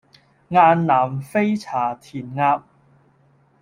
雁南飛茶田鴨